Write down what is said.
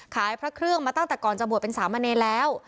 พระเครื่องมาตั้งแต่ก่อนจะบวชเป็นสามเณรแล้ว